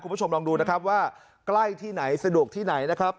คุณผู้ชมลองดูนะครับว่าใกล้ที่ไหนสะดวกที่ไหนนะครับ